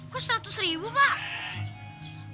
kok seratus ribu pak